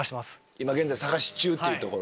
今現在探し中っていうところ。